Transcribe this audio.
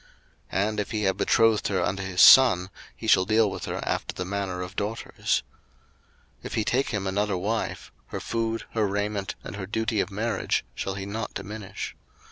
02:021:009 And if he have betrothed her unto his son, he shall deal with her after the manner of daughters. 02:021:010 If he take him another wife; her food, her raiment, and her duty of marriage, shall he not diminish.